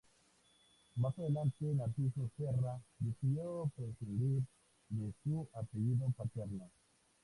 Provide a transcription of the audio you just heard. Más adelante Narciso Serra decidió prescindir de su apellido paterno.